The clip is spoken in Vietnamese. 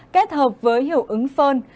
kết hợp với hiệu ứng phơn